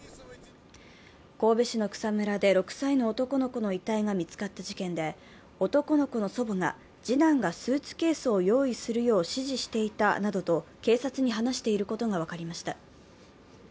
神戸市の草むらで６歳の男の子の遺体が見つかった事件で、男の子の祖母が、次男がスーツケースを用意するよう指示していたなどと警察に話していることが分かりました。